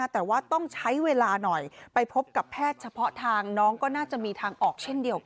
แต่ว่าต้องใช้เวลาหน่อย